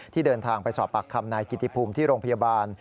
เดินทางไปสอบปากคำนายกิติภูมิที่โรงพยาบาล